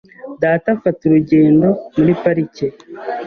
Data afata urugendo muri parike .